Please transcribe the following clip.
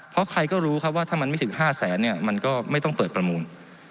เพราะใครก็รู้ครับว่าถ้ามันไม่ถึง๕แสนเนี่ยมันก็ไม่ต้องเปิดประมูล